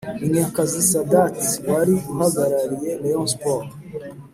munyakazi sadate wari uhagarariye rayon sports